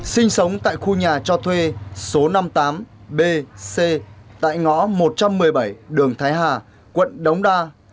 sinh sống tại khu nhà cho thuê số năm mươi tám bc tại ngõ một trăm một mươi bảy đường thái hà quận đống đa